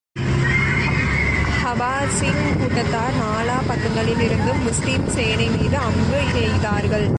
ஹவாஸின் கூட்டத்தார் நாலா பக்கங்களில் இருந்தும் முஸ்லிம் சேனை மீது அம்பு எய்தார்கள்.